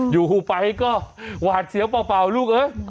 อยู่ไปก็หวาดเสียวเปล่าลูกเอ้ย